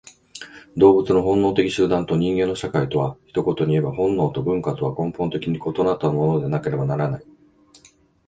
動物の本能的集団と人間の社会とは、一言にいえば本能と文化とは根本的に異なったものでなければならない。